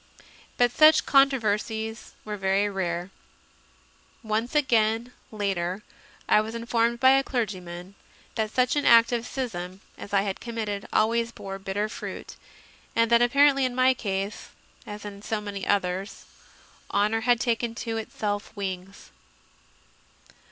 But such controversies were very rare. Once again, later, I was informed by a clergyman that such an act of schism as I had committed always bore "bitter fruit," and that apparently in my case, as in so many others, "honour had taken to itself wings."